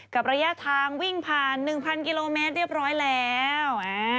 ระยะทางวิ่งผ่าน๑๐๐กิโลเมตรเรียบร้อยแล้ว